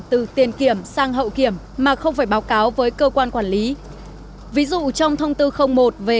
từ tiền kiểm sang hậu kiểm mà không phải báo cáo với cơ quan quản lý ví dụ trong thông tư một về